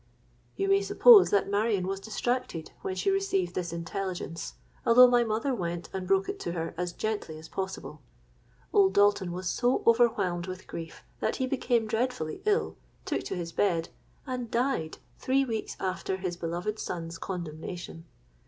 "You may suppose that Marion was distracted when she received this intelligence, although my mother went and broke it to her as gently as possible. Old Dalton was so overwhelmed with grief that he became dreadfully ill, took to his bed, and died three weeks after his beloved son's condemnation.